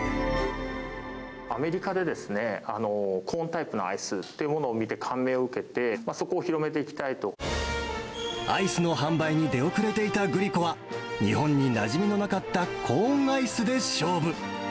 アメリカで、コーンタイプのアイスっていうものを見て、感銘を受けて、そこをアイスの販売に出遅れていたグリコは、日本になじみのなかったコーンアイスで勝負。